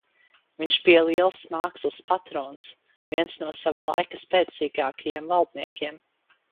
Viņš bija liels mākslas patrons, viens no sava laika spēcīgākajiem valdniekiem.